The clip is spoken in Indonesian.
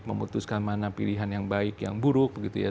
memutuskan mana pilihan yang baik yang buruk begitu ya